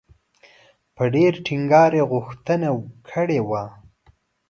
په ډېر ټینګار یې غوښتنه کړې وه.